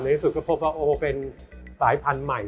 ในที่สุดก็พบว่าโอเพลย์ปัญหาเป็นสายพันธุ์ใหม่